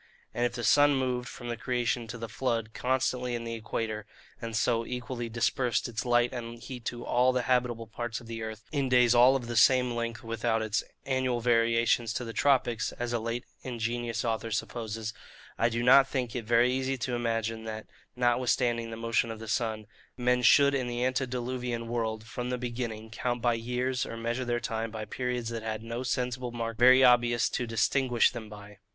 And if the sun moved from the creation to the flood constantly in the equator, and so equally dispersed its light and heat to all the habitable parts of the earth, in days all of the same length without its annual variations to the tropics, as a late ingenious author supposes, I do not think it very easy to imagine, that (notwithstanding the motion of the sun) men should in the antediluvian world, from the beginning, count by years, or measure their time by periods that had no sensible mark very obvious to distinguish them by.